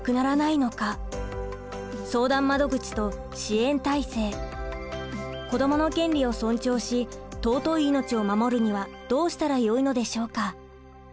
今回のポイントは子どもの権利を尊重し尊い命を守るにはどうしたらよいのでしょうか。